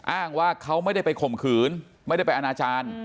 อ้างว่าเขาไม่ได้ไปข่มขืนไม่ได้ไปอนาจารย์